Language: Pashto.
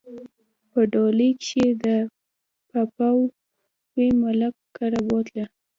په ډولۍ کښې د پاپاوي ملک کره بوتله